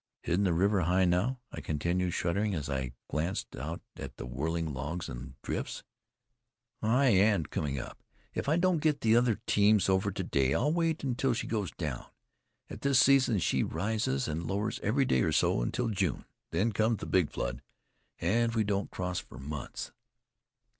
"Isn't the river high now?" I continued, shuddering as I glanced out at the whirling logs and drifts. "High, and coming up. If I don't get the other teams over to day I'll wait until she goes down. At this season she rises and lowers every day or so, until June then comes the big flood, and we don't cross for months."